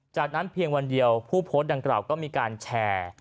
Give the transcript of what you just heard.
จากนั้นเพียงวันเดียวผู้โพสต์ดังกล่าวก็มีการแชร์